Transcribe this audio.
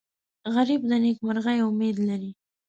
غریب د نیکمرغۍ امید لري